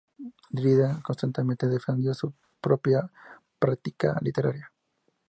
Dryden constantemente defendió su propia práctica literaria.